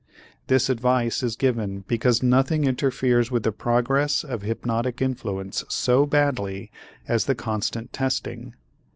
This advice is given because nothing interferes with the progress of hypnotic influence so badly as the constant testing.